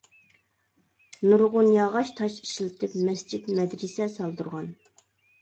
نۇرغۇن ياغاچ-تاش ئىشلىتىپ، مەسچىت، مەدرىسە سالدۇرغان.